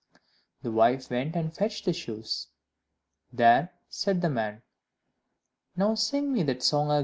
The wife went and fetched the shoes. "There," said the man, "now sing me that song again."